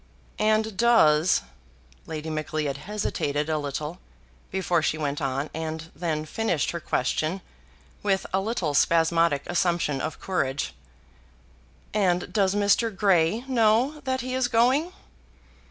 "And does " Lady Macleod hesitated a little before she went on, and then finished her question with a little spasmodic assumption of courage. "And does Mr. Grey know that he is going?"